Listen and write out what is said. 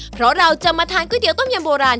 เพราะเราจะมาทานก๋วยเตี๋ต้มยำโบราณ